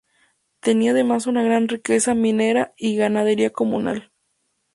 Tenía además una gran riqueza minera y ganadería comunal.